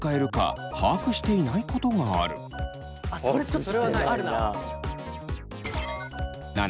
ちょっとあるな。